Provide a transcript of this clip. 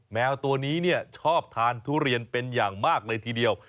แมวตัวนี้ชอบทานทุเรียนเป็นอย่างมากเลยทีเดียว